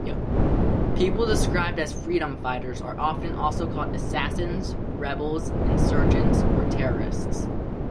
People described as freedom fighters are often also called assassins, rebels, insurgents or terrorists.